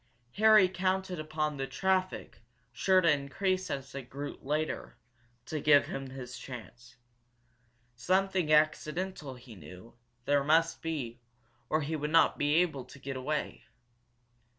Harry counted upon the traffic, sure to increase as it grew later, to give him his chance. Something accidental, he knew, there must be, or he would not be able to get away.